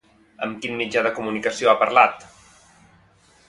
Amb quin mitjà de comunicació ha parlat?